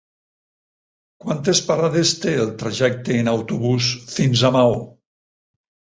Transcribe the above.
Quantes parades té el trajecte en autobús fins a Maó?